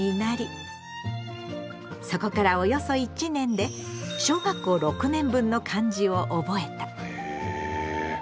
そこからおよそ１年で小学校６年分の漢字を覚えた。